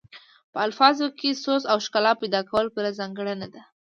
په الفاظو کې سوز او ښکلا پیدا کول بله ځانګړنه ده